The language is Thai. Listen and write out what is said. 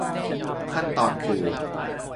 ขั้นตอนคือ